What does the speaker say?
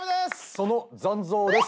その残像です。